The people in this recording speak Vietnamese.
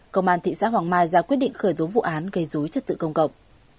công an thị xã hoàng mai ra quyết định khởi tố vụ án gây rúi chất tự công cộng